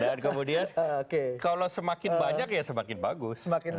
dan kemudian kalau semakin banyak ya semakin bagus